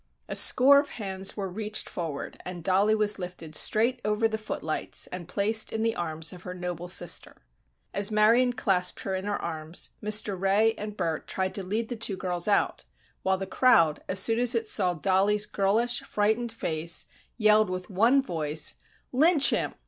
A score of hands were reached forward and Dollie was lifted straight over the footlights and placed in the arms of her noble sister. As Marion clasped her in her arms, Mr. Ray and Bert tried to lead the two girls out, while the crowd, as soon as it saw Dollie's girlish, frightened face, yelled with one voice: "Lynch him!